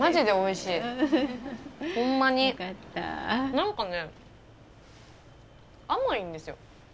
何かね甘いんですよ。